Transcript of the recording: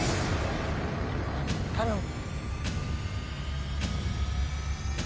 頼む。